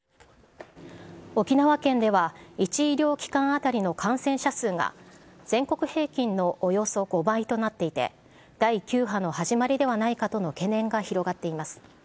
沖縄県では、１医療機関当たりの感染者数が、全国平均のおよそ５倍となっていて、第９波の始まりではないかとの懸念が広がっています。